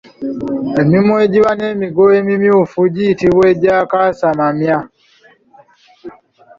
Emimwa egiba n’emigo emimyufu giyitibwa gya kasamamya.